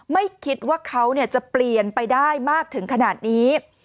ไม่คิดว่าเขาจะเปลี่ยนไปได้มากถึงขนาดนี้